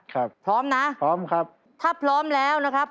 พร้อมนะพร้อมครับถ้าพร้อมแล้วนะครับ